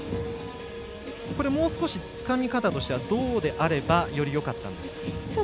もう少しつかみ方としてはどうであればよりよかったんですか。